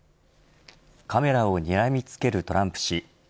カメラをにらみつけるトランプ氏。